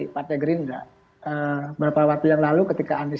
pasti ada konteknya